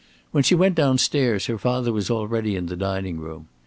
When she went down stairs, her father was already in the dining room.